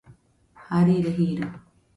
Jarire jiro.